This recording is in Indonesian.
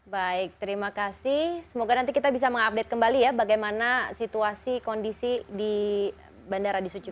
baik terima kasih semoga nanti kita bisa mengupdate kembali ya bagaimana situasi kondisi di bandara di suci